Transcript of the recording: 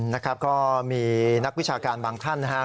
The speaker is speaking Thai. นะครับก็มีนักวิชาการบางท่านนะครับ